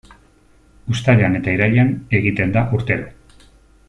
Uztailean eta irailean egiten da urtero.